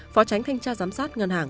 phó tránh thanh tra giám sát ngân hàng